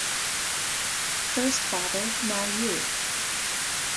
First father, now you.